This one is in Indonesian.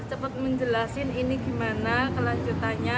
cepat menjelaskan ini gimana kelanjutannya